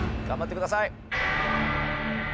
頑張ってください！